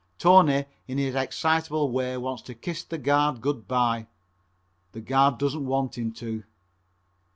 Tony in his excitable way wants to kiss the guard good by. The guard doesn't want him to.